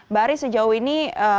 mbak ari sejauh ini